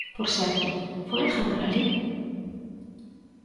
Por certo, ¿foi alguén por alí?